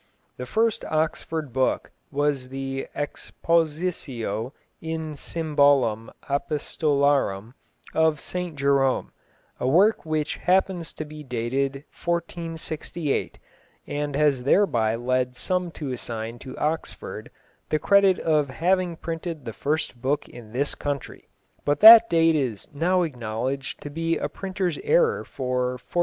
The first Oxford book was the Exposicio in Simbolum Apostolorum of St Jerome, a work which happens to be dated 1468, and has thereby led some to assign to Oxford the credit of having printed the first book in this country. But that date is now acknowledged to be a printer's error for 1478.